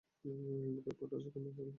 বুকের পাটা আছে তোমার, পাইলট।